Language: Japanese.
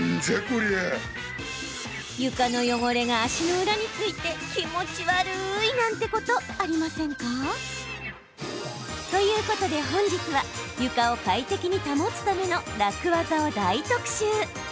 床の汚れが足の裏に付いて気持ち悪い！なんてことありませんか？ということで本日は床を快適に保つための楽ワザを大特集。